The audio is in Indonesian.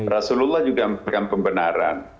rasulullah juga memperkenalkan pembenaran